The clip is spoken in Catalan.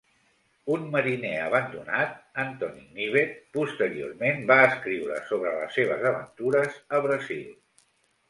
Un mariner abandonat, Anthony Knivet, posteriorment va escriure sobre les seves aventures a Brasil.